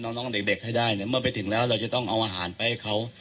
น้องเด็กให้ได้เนี่ยเมื่อไปถึงแล้วเราจะต้องเอาอาหารไปให้เขา